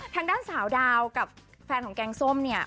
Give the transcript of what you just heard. ทางด้านสาวดาวกับแฟนของแกงส้มเนี่ย